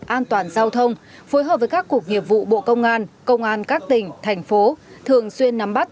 an toàn giao thông phối hợp với các cuộc nghiệp vụ bộ công an công an các tỉnh thành phố thường xuyên nắm bắt